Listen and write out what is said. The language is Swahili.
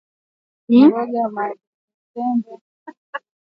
mboga ya matembele ya viazi lishe